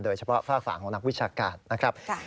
โดยเฉพาะฝากฝ่างของนักวิชาการนะครับ